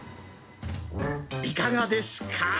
いかがですか。